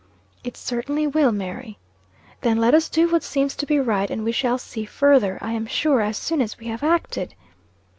"It certainly will, Mary." "Then let us do what seems to be right, and we shall see further, I am sure, as soon as we have acted."